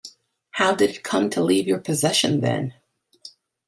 How did it come to leave your possession then?